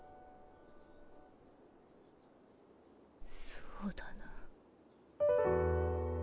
そうだな。